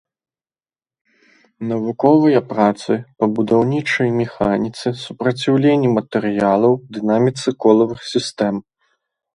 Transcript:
Навуковыя працы па будаўнічай механіцы, супраціўленні матэрыялаў, дынаміцы колавых сістэм.